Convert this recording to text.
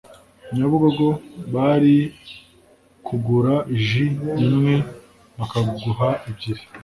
nyabugogo bari kugura ji imwe bakaguha ebyiri